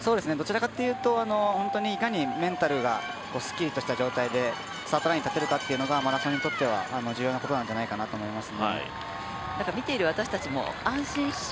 どちらかというと、いかにメンタルがすっきりとした状態でスタートラインに立てるかというのが、マラソンにとっては重要なことなんじゃないかなと思います。